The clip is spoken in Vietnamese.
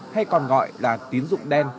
hay còn gọi là tín dụng đen